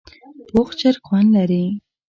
پوخ چرګ خوند لري